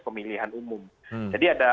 pemilihan umum jadi ada